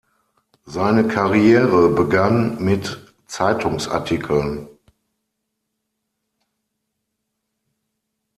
Seine Karriere begann mit Zeitungsartikeln.